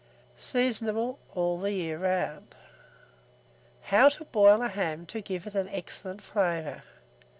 Seasonable all the year. HOW TO BOIL A HAM TO GIVE IT AN EXCELLENT FLAVOUR.